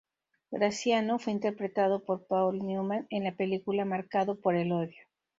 Graziano fue interpretado por Paul Newman en la película Marcado por el odio.